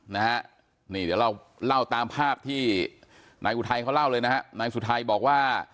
นางสุทัยเขาเล่าเลยนะครับนางสุทัยบอกว่า